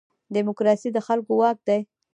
دیموکراسي د خلکو واک دی